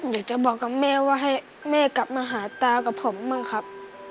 อยากจะบอกกับแม่ว่าให้แม่กลับมาหาตากับผมบ้างครับ